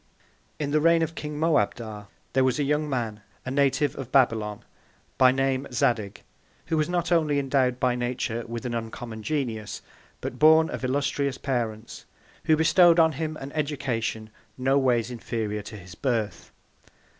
In the Reign of King Moabdar, there was a young Man, a Native of Babylon, by name Zadig; who was not only endowed by Nature with an uncommon Genius, but born of illustrious Parents, who bestowed on him an Education no ways inferior to his Birth.